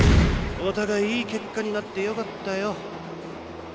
お互いいい結果になってよかったよ。